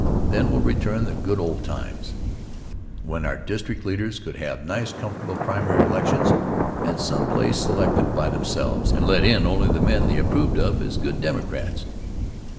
Then will return the good old times, when our district leaders could have nice comfortable primary elections at some place selected by themselves and let in only men that they approved of as good Democrats.